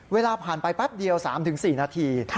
เวลาผ่านไปแป๊บเดียว๓๔นาที